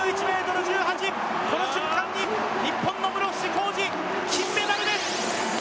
この瞬間に、日本の室伏広治金メダルです！